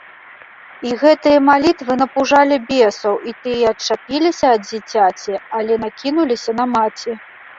І гэтыя малітвы напужалі бесаў, і тыя адчапіліся ад дзіцяці, але накінуліся на маці.